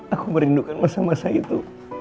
aku merindukan masa masa itu